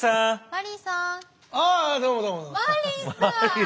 マリーさん！